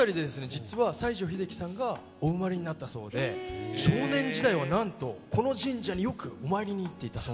実は西城秀樹さんがお生まれになったそうで少年時代はなんとこの神社によくお参りに行っていたそうなんですよ。